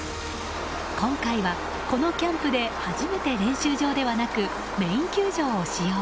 今回は、このキャンプで初めて練習場ではなくメイン球場を使用。